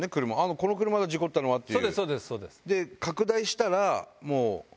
この車だ事故ったのはっていう。